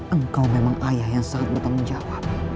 engkau memang ayah yang sangat bertanggung jawab